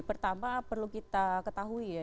pertama perlu kita ketahui ya